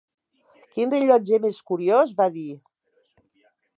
"Quin rellotge més curiós!", va dir.